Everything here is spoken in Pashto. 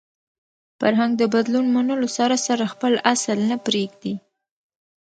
فرهنګ د بدلون منلو سره سره خپل اصل نه پرېږدي.